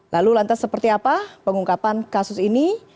lalu lantas seperti apa pengungkapan kasus ini